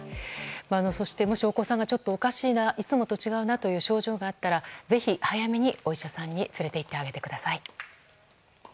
そして、もしお子さんがちょっとおかしいないつもと違うなという症状があったらぜひ、早めにお医者さんに連れて行ってあげてください。